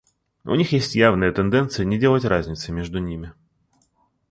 У них есть явная тенденция не делать разницы между ними.